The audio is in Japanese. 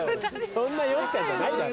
そんな「よっしゃ」じゃないだろ！